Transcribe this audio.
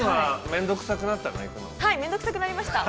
面倒くさくなりました。